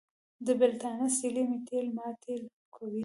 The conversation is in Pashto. د بېلتانه سیلۍ مې تېل ماټېل کوي.